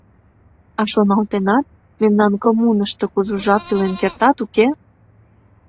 А шоналтенат: мемнан коммунышто кужу жап илен кертат, уке?